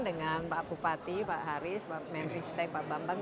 dengan pak bupati pak haris pak menteri stek pak bambang